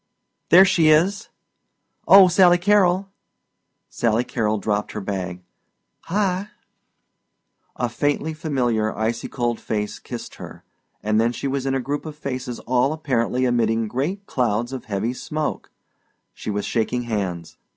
"There she is!" "Oh, Sally Carrol!" Sally Carrol dropped her bag. "Hi!" A faintly familiar icy cold face kissed her, and then she was in a group of faces all apparently emitting great clouds of heavy smoke; she was shaking hands.